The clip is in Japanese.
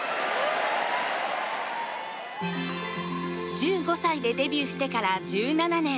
１５歳でデビューしてから１７年。